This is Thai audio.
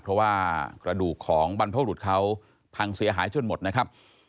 เพราะว่ากระดูกของบรรพบรุษเขาพังเสียหายจนหมดนะครับ